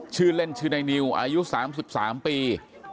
ชื่อเล่นชื่อในนิวอายุ๓๓ปี